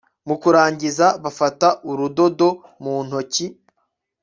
mu kurangiza, bafata urudodo mu ntoki